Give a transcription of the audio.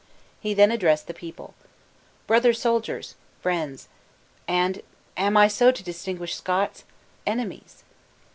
He then addressed the people: "Brother soldiers! friends! And am I so to distinguish Scots? enemies!"